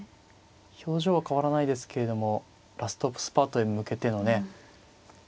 表情は変わらないですけれどもラストスパートへ向けてのね。